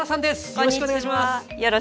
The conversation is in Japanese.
よろしくお願いします。